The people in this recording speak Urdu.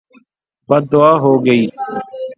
بدعا ہو گئی